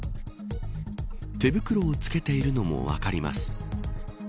手袋を着けているのも分かります。